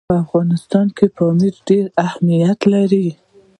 په افغانستان کې پامیر ډېر اهمیت لري.